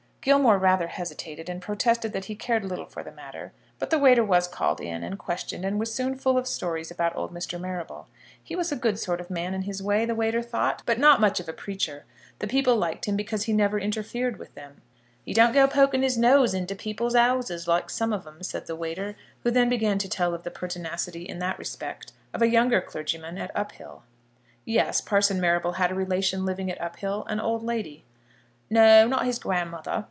Gilmore rather hesitated, and protested that he cared little for the matter; but the waiter was called in and questioned, and was soon full of stories about old Mr. Marrable. He was a good sort of man in his way, the waiter thought, but not much of a preacher. The people liked him because he never interfered with them. "He don't go poking his nose into people's 'ouses like some of 'em," said the waiter, who then began to tell of the pertinacity in that respect of a younger clergyman at Uphill. Yes; Parson Marrable had a relation living at Uphill; an old lady. "No; not his grandmother."